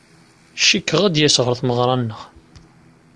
Cikkeɣ ad d-yas ɣer tmeɣra-nneɣ.